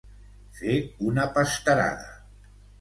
Fer una pasterada.